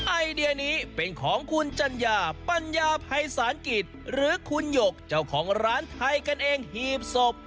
ไอเดียนี้เป็นของคุณจัญญาปัญญาภัยศาลกิจหรือคุณหยกเจ้าของร้านไทยกันเองหีบศพ